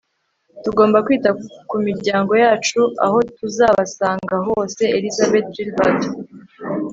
tugomba kwita ku miryango yacu aho tuzabasanga hose. - elizabeth gilbert